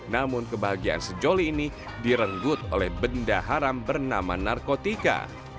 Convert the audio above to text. namun kebahagiaan sejoli ini direnggut oleh benda haram bernama narkotika